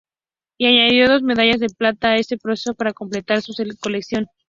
Y añadió dos medallas de plata a este proceso para completar su colección.